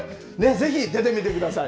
ぜひ出てみてください。